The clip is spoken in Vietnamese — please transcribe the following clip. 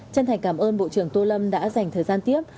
chân thành cảm ơn bộ trưởng tô lâm đã dành thời gian tiếp